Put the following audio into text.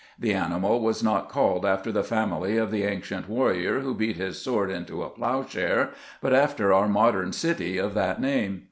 The animal was not called after the family of the ancient warrior who beat his sword into a plowshare, but after our modern city of that name.